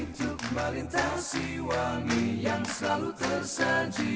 untuk melintasi wangi yang selalu tersaji